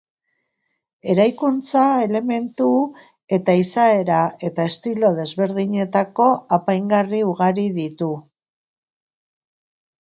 Eraikuntza-elementu eta izaera eta estilo desberdinetako apaingarri ugari ditu.